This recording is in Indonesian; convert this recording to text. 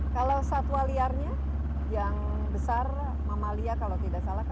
kalau satwa liarnya yang besar mamalia kalau tidak salah